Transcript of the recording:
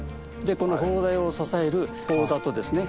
この砲台を支える砲座とですね